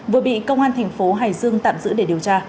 vừa bị công an thành phố hải dương tạm giữ để điều tra